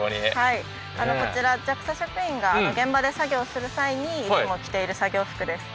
こちらＪＡＸＡ職員が現場で作業する際にいつも着ている作業服です。